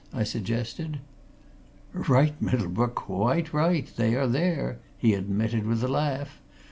I suggested. "Right, Middlebrook, quite right there they are!" he admitted with a laugh.